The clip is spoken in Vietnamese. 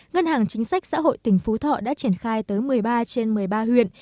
ngân hàng chính sách xã hội tỉnh phú thọ đã triển khai tới một mươi ba trên một mươi ba huyện